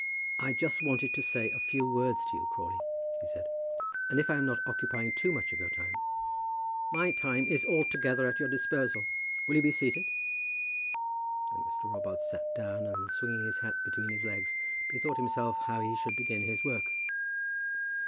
"I just wanted to say a few words to you, Crawley," he said, "and if I am not occupying too much of your time " "My time is altogether at your disposal. Will you be seated?" Then Mr. Robarts sat down, and, swinging his hat between his legs, bethought himself how he should begin his work.